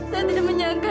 saya tidak menyangka